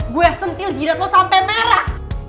gue sentil jidat lo sampai merah